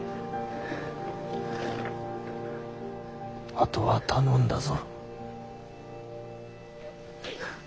あとは頼んだぞ。